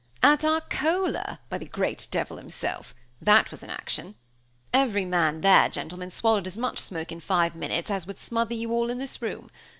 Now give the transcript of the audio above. At Arcola, by the great devil himself! that was an action. Every man there, gentlemen, swallowed as much smoke in five minutes as would smother you all in this room!